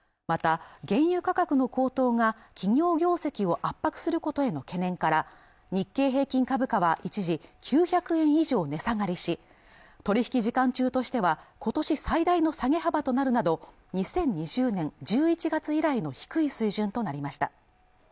また原油価格の高騰が企業業績を圧迫することへの懸念から日経平均株価は一時９００円以上値下がりし取引時間中としてはことし最大の下げ幅となるなど２０２０年１１月以来の低い水準となりました